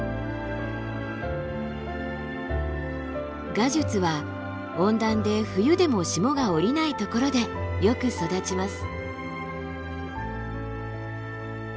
ガジュツは温暖で冬でも霜が降りないところでよく育ちます。